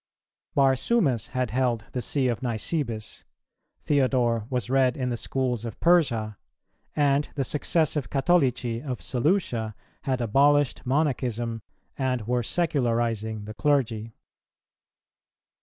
Barsumas had held the See of Nisibis, Theodore was read in the schools of Persia, and the successive Catholici of Seleucia had abolished Monachism and were secularizing the clergy.